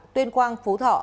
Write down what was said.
tuyên quang phú thọ